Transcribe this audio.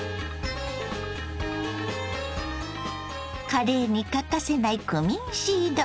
カレーに欠かせないクミンシード。